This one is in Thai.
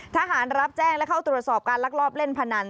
รับแจ้งและเข้าตรวจสอบการลักลอบเล่นพนัน